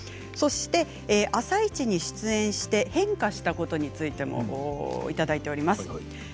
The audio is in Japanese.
そして「あさイチ」に出演して変化したことについてもいただいています。